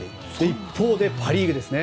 一方でパ・リーグですね。